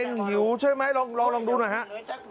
เองหิวใช่ไหมลองดูหน่อยครับ